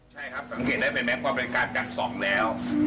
ใช่ครับสังเกตได้เป็นแม้ความบริการกัน๒แล้ว